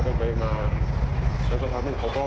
ที่นี่มีปัญหา